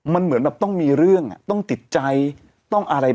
มันเหมือนต้องมีเรื่องต้องติดใจต้องอะไรแบบนี้